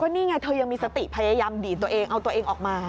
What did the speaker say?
นี่ไงเธอยังมีสติพยายามดีดตัวเองเอาตัวเองออกมา